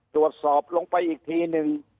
ดูกสอบลงไปอีกทีนี่